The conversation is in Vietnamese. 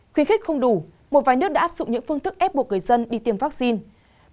khuyến khích không đủ một vài nước đã áp dụng những phương thức ép buộc người dân đi tiêm vaccine